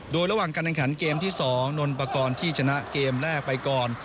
โดยระหว่างการแข่งขันเกมที่๒นนปกรณ์ที่ชนะเกมแรกไปก่อน